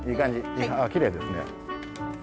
ああきれいですね。